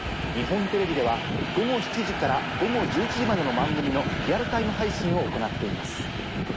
日本テレビでは午後７時から午後１１時までの番組のリアルタイム配信を行っています。